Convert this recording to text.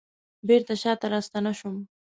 بیرته شاته راستنه شوم